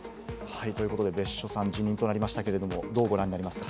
別所さん、辞任となりましたけれども、どうご覧になりますか？